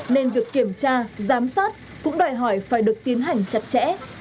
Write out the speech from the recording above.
nên việc kiểm tra giám sát cũng đòi hỏi phải được tiến hành chặt chẽ